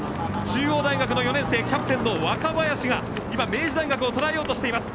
中央大学の４年生キャプテンの若林が今、明治大学を捉えます。